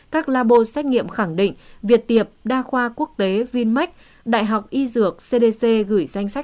các labo xét nghiệm khẳng định việt tiệp đa khoa quốc tế vinmec đại học y dược cdc gửi danh sách